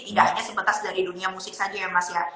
tidak hanya sebatas dari dunia musik saja ya mas ya